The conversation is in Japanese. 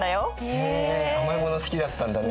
へえ甘いもの好きだったんだね。